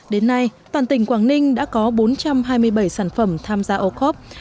đến nay toàn tỉnh quảng ninh đã có bốn trăm hai mươi bảy sản phẩm tham gia ô khúc